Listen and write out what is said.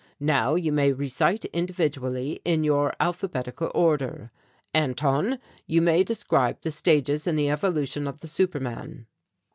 Now you may recite individually in your alphabetical order. "Anton, you may describe the stages in the evolution of the super man."